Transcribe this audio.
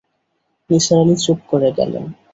নিসার আলি চুপ করে গেলেন।